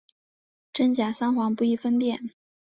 真假桑黄不易分辨。